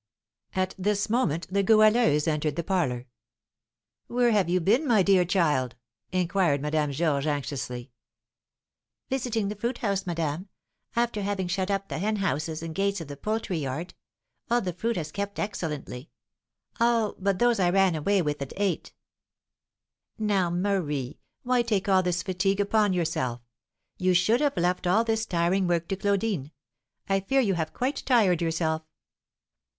At this moment the Goualeuse entered the parlour. "Where have you been, my dear child?" inquired Madame Georges, anxiously. "Visiting the fruit house, madame, after having shut up the hen houses and gates of the poultry yard. All the fruit has kept excellently, all but those I ran away with and ate." "Now, Marie, why take all this fatigue upon yourself? You should have left all this tiring work to Claudine; I fear you have quite tired yourself."